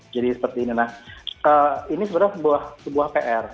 jadi seperti ini nah ini sebenarnya sebuah pr